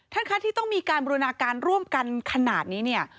ท่านคะที่ต้องมีการบูรณาการร่วมกันขนาดนี้เนี่ย